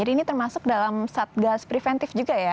ini termasuk dalam satgas preventif juga ya